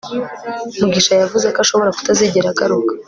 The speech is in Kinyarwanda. mugisha yavuze ko ashobora kutazigera agaruka